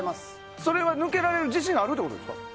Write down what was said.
それは抜けられる自信があるってことですか？